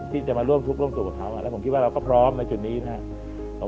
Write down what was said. ที่จะมาร่วมทุกข์ร่วมสุขกับเขาแล้วผมคิดว่าเราก็พร้อมในจุดนี้นะครับ